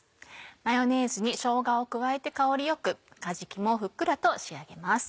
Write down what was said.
マヨネーズにしょうがを加えて香りよくかじきもふっくらと仕上げます。